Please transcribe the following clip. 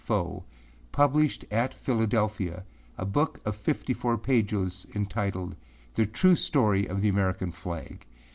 Fow published at Philadelphia a book of fifty four pages entitled âThe True Story of the American Flag.